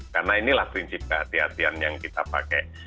karena inilah prinsip kehatian kehatian yang kita pakai